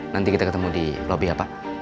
nanti kita ketemu di lobby ya pak